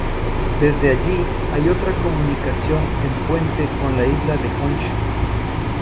Desde allí, hay otra comunicación en puente con la isla de Honshū.